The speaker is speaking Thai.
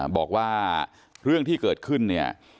บอกว่าเรื่องที่เกิดขึ้นเนี่ย